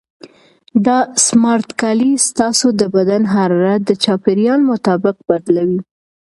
دا سمارټ کالي ستاسو د بدن حرارت د چاپیریال مطابق بدلوي.